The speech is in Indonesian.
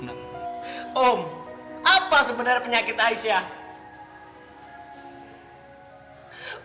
om apa sebenarnya penyakit aisyah